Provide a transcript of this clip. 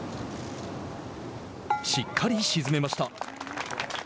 しっかり沈めました。